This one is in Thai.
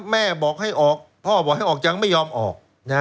แม่บอกให้ออกพ่อบอกให้ออกจังไม่ยอมออก